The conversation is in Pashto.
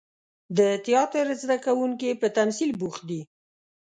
د تیاتر زده کوونکي په تمثیل بوخت دي.